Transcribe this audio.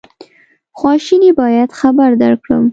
خواشیني باید خبر درکړم.